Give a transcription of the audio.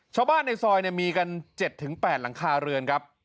ชาวบ้านในซอยมีกัน๗๘หลังคาเรือนครับ